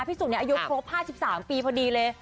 พี่สูลเนี่ยอายุครบ๕๓ปีพอดีเลย